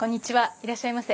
いらっしゃいませ。